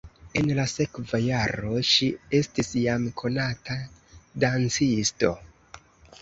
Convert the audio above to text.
En la sekva jaro ŝi estis jam konata dancisto.